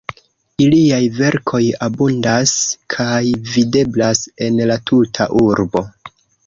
Iliaj verkoj abundas kaj videblas en la tuta urbo.